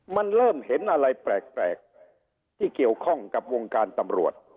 มันเริ่มเห็นอะไรแปลกที่เกี่ยวข้องกับวงการตำรวจ